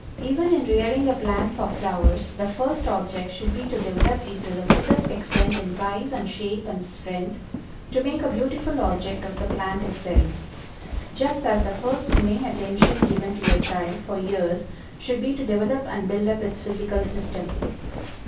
Even in rearing a plant for flowers, the first object should be to develop it to the fullest extent in size and shape and strength to make a beautiful object of the plant itself; just as the first and main attention given to a child, for years, should be to develop and build up its physical system.